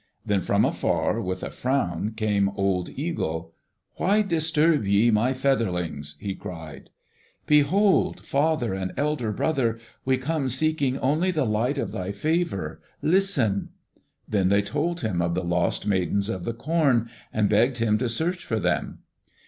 Then from afar, with a frown, came old Eagle. "Why disturb ye my featherlings?" he cried. "Behold! Father and elder brother, we come seeking only the light of thy favor. Listen!" Then they told him of the lost Maidens of the Corn, and begged him to search for them.